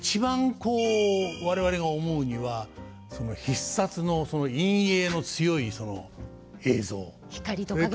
こう我々が思うには「必殺」の陰影の強いその映像。